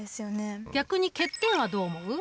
逆に欠点はどう思う？